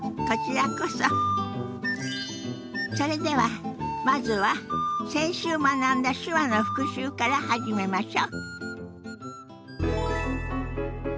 それではまずは先週学んだ手話の復習から始めましょ。